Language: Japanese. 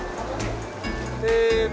せの。